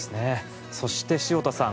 そして潮田さん